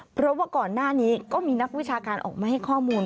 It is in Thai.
เพราะว่าก่อนหน้านี้ก็มีนักวิชาการออกมาให้ข้อมูล